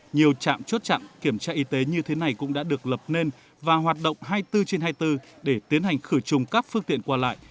nhiều trạm chốt chặn kiểm tra y tế như thế này cũng đã được lập nên và hoạt động hai mươi bốn trên hai mươi bốn để tiến hành khử trùng các phương tiện qua lại